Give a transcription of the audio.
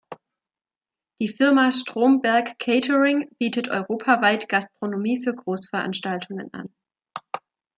Die Firma "Stromberg Catering" bietet europaweit Gastronomie für Großveranstaltungen an.